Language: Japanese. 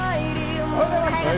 おはようございます。